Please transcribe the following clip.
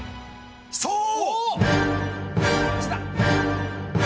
そう！